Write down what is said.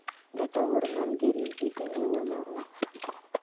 ګټورو ملګرو لیدنې ولرئ.